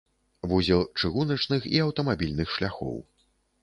Вузел чыгуначных і аўтамабільных шляхоў.